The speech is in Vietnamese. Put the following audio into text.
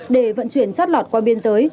để vận chuyển chót lọt qua biên giới